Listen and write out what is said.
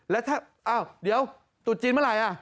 แล้วถ้าอ้าวเดี๋ยวตุดจีนเมื่อไหร่